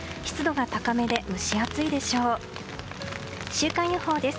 週間予報です。